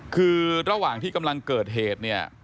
คือระหว่างที่กำลังเกิดเหตุเนี่ย